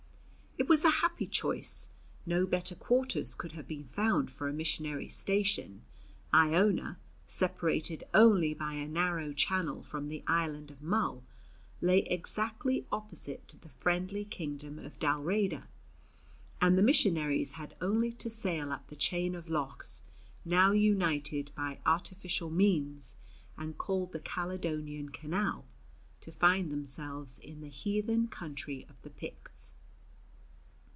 It was a happy choice. No better quarters could have been found for a missionary station. Iona, separated only by a narrow channel from the island of Mull, lay exactly opposite to the friendly kingdom of Dalriada, and the missionaries had only to sail up the chain of lochs, now united by artificial means and called the Caledonian Canal, to find themselves in the heathen country of the Picts.